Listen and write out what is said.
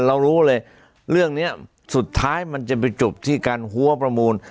เรารู้เลยเรื่องนี้สุดท้ายมันจะไปจบที่การหัวประมูล